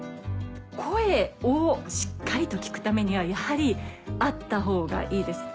声をしっかりと聞くためにはやはり会ったほうがいいです。